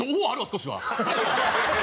少しは。